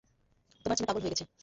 তোমার ছেলে পাগল হয়ে গেছে।